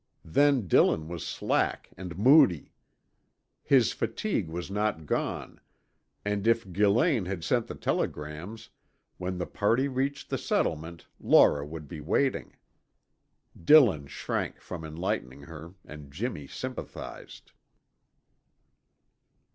Then Dillon was slack and moody. His fatigue was not gone, and if Gillane had sent the telegrams, when the party reached the settlement Laura would be waiting. Dillon shrank from enlightening her and Jimmy sympathized.